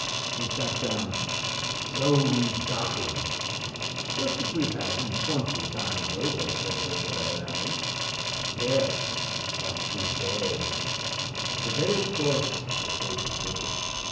He sat down: "So we've got him!" "Just as we've had him twenty times over," said Beautrelet, laughing. "Yes, but to day—" "To day, of course, the case is different.